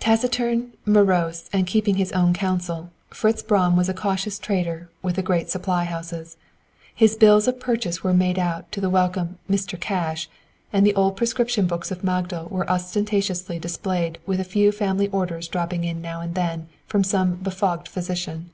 Taciturn, morose and keeping his own counsel, Fritz Braun was a cautious trader with the great supply houses. His bills of purchase were made out to the welcome "Mr. Cash," and the old prescription books of Magdal were ostentatiously displayed with a few family orders dropping in now and then from some befogged physician.